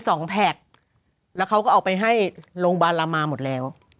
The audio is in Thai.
มี๒แผลกแล้วเขาก็เอาไปให้โรงบาลรามมาหมดแล้ว